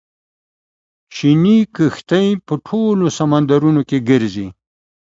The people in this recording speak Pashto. چیني کښتۍ په ټولو سمندرونو کې ګرځي.